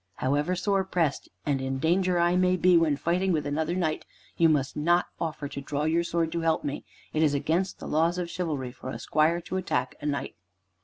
However sore pressed and in danger I may be when fighting with another knight, you must not offer to draw your sword to help me. It is against the laws of chivalry for a squire to attack a knight."